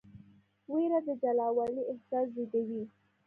ویره د جلاوالي احساس زېږوي.